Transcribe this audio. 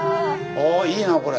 ああいいなこれ。